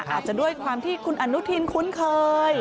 อาจจะด้วยความที่คุณอนุทินคุ้นเคย